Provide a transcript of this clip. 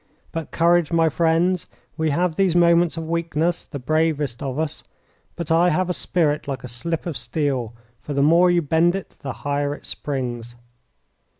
But courage, my friends! We have these moments of weakness, the bravest of us; but I have a spirit like a slip of steel, for the more you bend it the higher it springs.